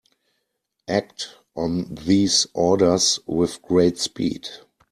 Act on these orders with great speed.